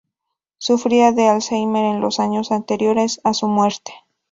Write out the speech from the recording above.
Sufría de Alzheimer en los años anteriores a su muerte.